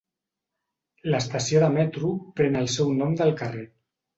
L'estació de metro pren el seu nom del carrer.